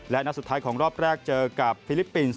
และนัดสุดท้ายของรอบแรกเจอกับฟิลิปปินส์